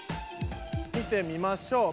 見てみましょう。